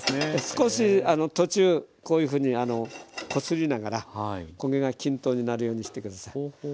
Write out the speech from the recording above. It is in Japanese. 少し途中こういうふうにこすりながら焦げが均等になるようにして下さい。